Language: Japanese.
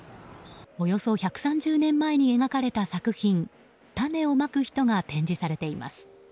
およそ１３０年前に描かれた作品「種をまく人」が展示されています。